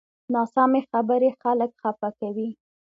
ناسمې خبرې خلک خفه کوي